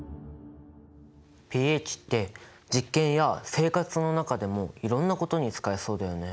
ｐＨって実験や生活の中でもいろんなことに使えそうだよね。